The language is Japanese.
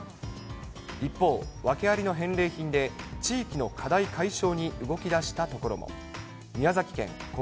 一方、訳ありの返礼品で地域の課題解消に動きだした所も。